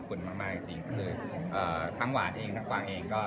แต่คือตอนนี้เพื่อนคนนี้คือหวานไม่ได้คุยแล้วด้วยใช่มั้ยครับ